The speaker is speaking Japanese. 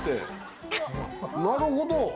なるほど！